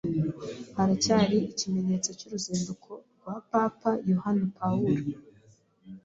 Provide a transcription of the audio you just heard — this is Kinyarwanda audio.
haracyari ikimenyetso cy’uruzinduko rwa Papa Yohani Pawulo